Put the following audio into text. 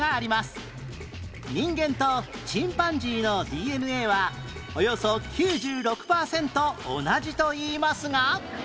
人間とチンパンジーの ＤＮＡ はおよそ９６パーセント同じといいますが